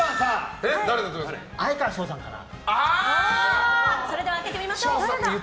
哀川翔さんかな。